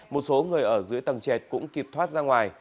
một số người ở dưới tầng chẹt cũng kịp thoát ra ngoài